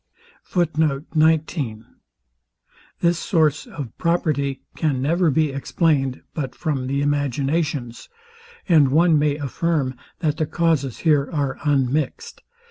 This source of property can never be explained but from the imaginations; and one may affirm, that the causes are here unmixed.